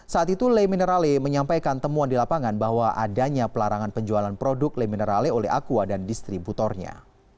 saat itu le minerale menyampaikan temuan di lapangan bahwa adanya pelarangan penjualan produk le minerale oleh aqua dan distributornya